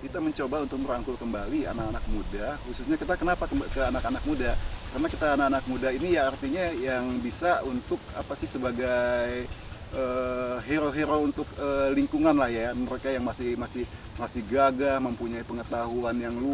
ketua pengurusan pengurusan pengurusan pembangunan dan pengurusan pengurusan pengurusan pembangunan